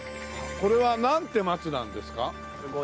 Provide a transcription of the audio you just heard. これはなんて松なんですか？